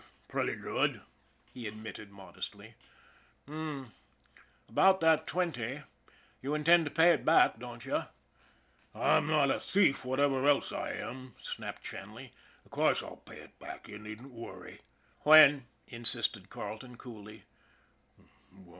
" Pretty good," he admitted modestly. " H'm ! About that twenty. You intend to pay it back, don't you ?"" I'm not a thief, whatever else I am," snapped Shan ley. " Of course, I'll pay it back. You needn't worry." "When?" insisted Carleton coolly.